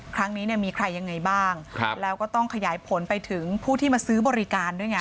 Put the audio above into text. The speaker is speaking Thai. ครั้งนี้เนี่ยมีใครยังไงบ้างครับแล้วก็ต้องขยายผลไปถึงผู้ที่มาซื้อบริการด้วยไง